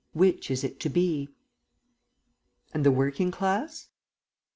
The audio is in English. Which is it to be? "And the working class?